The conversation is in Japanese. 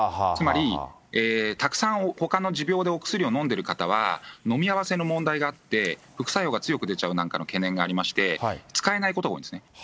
つまり、たくさんほかの持病でお薬を飲んでる方は、飲み合わせの問題があって、副作用が強く出ちゃうなんかの懸念がありまして、使えないことが多いですね。